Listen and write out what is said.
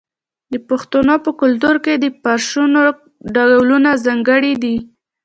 د پښتنو په کلتور کې د فرشونو ډولونه ځانګړي دي.